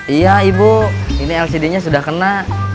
iya ibu ini lcd nya sudah kena